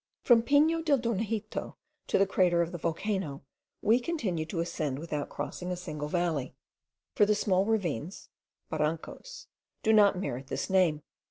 From Pino del Dornajito to the crater of the volcano we continued to ascend without crossing a single valley; for the small ravines (barancos) do not merit this name.